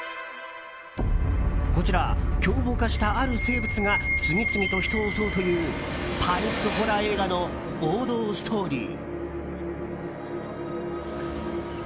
こちら、凶暴化したある生物が次々と人を襲うというパニックホラー映画の王道ストーリー。